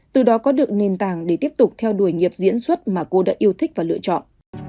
từ đó có được nền tảng để tiếp tục theo đuổi nghiệp diễn xuất mà cô đã yêu thích và lựa chọn